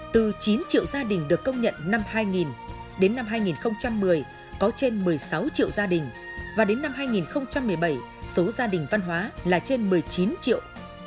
từ chín triệu gia đình được công nhận năm hai nghìn đến năm hai nghìn một mươi có trên một mươi sáu triệu gia đình và đến năm hai nghìn một mươi bảy số gia đình văn hóa là trên một mươi chín triệu